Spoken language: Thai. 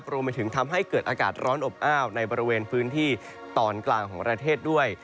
รวมไปถึงทำให้เกิดอากาศร้อนอบอ้าวในบริเวณพื้นที่ตอนกลางของประเทศด้วย